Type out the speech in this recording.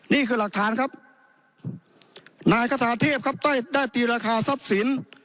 นี่คือหลักฐานครับนายคาทาเทพครับได้ได้ตีราคาทรัพย์สิน